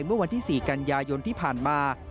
เมื่อวันที่๔กันยายนที่ผ่านมา